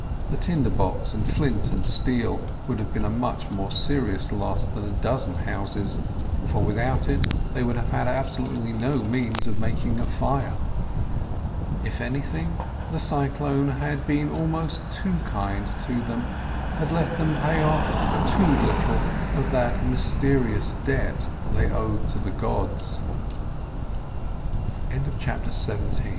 The tinder box and flint and steel would have been a much more serious loss than a dozen houses, for, without it, they would have had absolutely no means of making a fire. If anything, the cyclone had been almost too kind to them; had let them pay off too little of that mysterious debt they owed to the gods. CHAPTER XVIII A FALLEN